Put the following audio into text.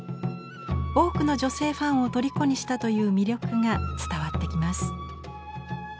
多くの女性ファンを虜にしたという魅力が伝わってきます。